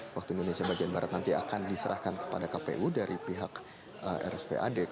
waktu indonesia bagian barat nanti akan diserahkan kepada kpu dari pihak rspad